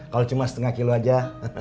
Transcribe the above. kalau cuma setengah kilo aja